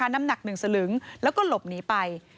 น้ำหนักหนึ่งศลึงลบหนีไป